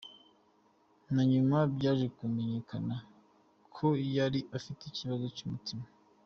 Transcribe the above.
Na nyuma byaje kumenyekana ko yari afite ikibazo cy’umutima.